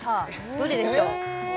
どれでしょう？